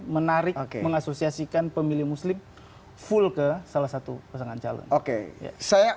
menarik mengasosiasikan pemilih muslim full ke salah satu pasangan calon oke saya